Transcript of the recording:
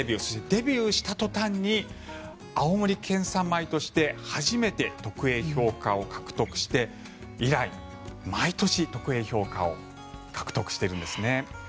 デビューした途端に青森県産米として初めて特Ａ評価を獲得して以来毎年特Ａ評価を獲得しているんですね。